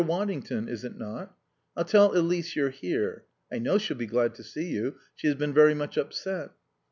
Waddington, is it not? I'll tell Elise you're here. I know she'll be glad to see you. She has been very much upset."